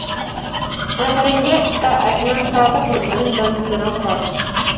ئەمرىڭگە ئىتائەتمەن سادىق مۆمىن بەندىلىرىڭ بار!